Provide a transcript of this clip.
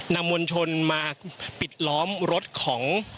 มวลชนมาปิดล้อมรถของ